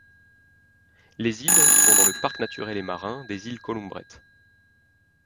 Les îles sont dans le parc naturel et marin des Îles Columbretes.